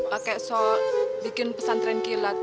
pak haji soal bikin pesan tereng kilat